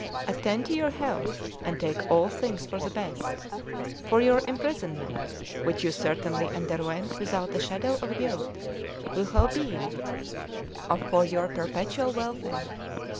Attend to your health, and take all things for the best; for your imprisonment, which you certainly underwent without a shadow of guilt, will have been for your perpetual welfare.